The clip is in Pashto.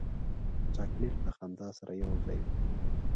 چاکلېټ له خندا سره یو ځای وي.